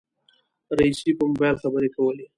رئيسې په موبایل خبرې کولې.